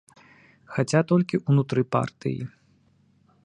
Хаця толькі ўнутры партыі.